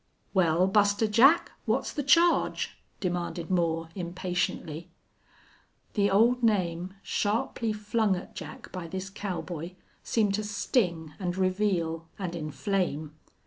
"Well, Buster Jack, what's the charge?" demanded Moore, impatiently. The old name, sharply flung at Jack by this cowboy, seemed to sting and reveal and inflame.